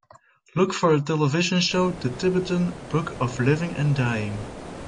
look for the television show The Tibetan Book of Living and Dying